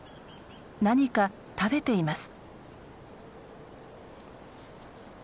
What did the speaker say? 何か食べています。